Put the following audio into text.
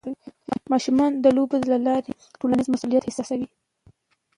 ماشومان د لوبو له لارې ټولنیز مسؤلیت احساسوي.